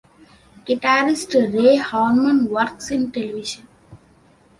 Guitarist Ray Harman works in television.